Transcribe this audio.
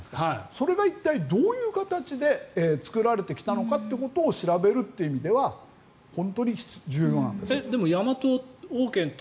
それが一体どういう形で作られてきたのかということを調べるという意味ではでもヤマト王権